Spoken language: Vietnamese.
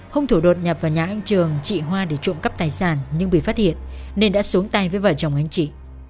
hung thủ đột nhập vào nhà anh trường chị hoa để trộm cắp tài sản nhưng bị phát hiện nên đã xuống tay với vợ chồng anh chị